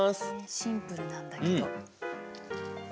シンプルなんだけど。